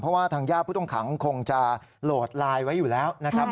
เพราะว่าทางญาติผู้ต้องขังคงจะโหลดไลน์ไว้อยู่แล้วนะครับ